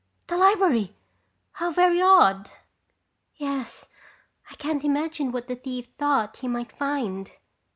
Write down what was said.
"The library! How very odd!" "Yes, I can't imagine what the thief thought he might find."